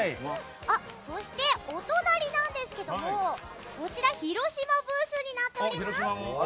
そして、お隣ですがこちらは広島ブースになっております。